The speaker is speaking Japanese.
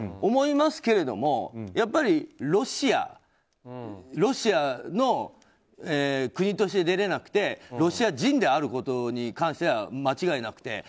思いますけど、やっぱりロシアロシアの国として出れなくてロシア人であることに関しては間違いなくて。